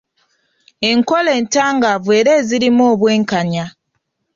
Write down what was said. Enkola entangaavu era ezirimu obwenkanya.